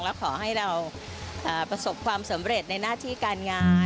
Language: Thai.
แล้วขอให้เราประสบความสำเร็จในหน้าที่การงาน